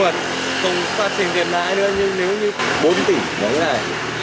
không phát sinh tiền lãi nữa nhưng nếu như bốn tỷ đấy này